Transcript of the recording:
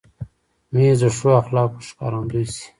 مېز د ښو اخلاقو ښکارندوی شي.